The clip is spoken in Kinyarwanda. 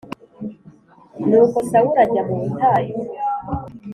Ni uko Sawuli ajya mu butayu